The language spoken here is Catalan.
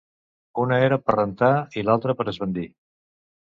Una era per rentar i l'altre per esbandir.